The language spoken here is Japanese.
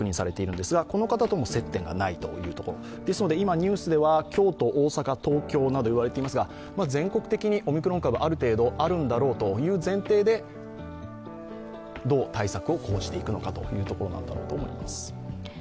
ニュースでは、京都、大阪、東京など言われていますが全国的にオミクロン株ある程度あるんだろうという前提でどう対策を講じていくのかというところだろうと思います。